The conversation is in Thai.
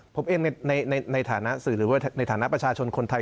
ผมเองในฐานะสื่อหรือว่าในฐานะประชาชนคนไทย